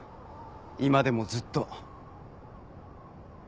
今でもずっと。